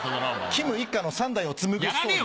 キム一家の三代を紡ぐストーリー。